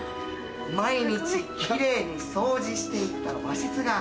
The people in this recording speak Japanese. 毎日キレイに掃除していた和室が